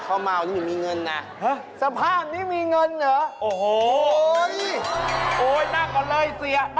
อุ๊ยวันนี้มีเงินครับต้องวันนี้เสียมีเงินหรือครับ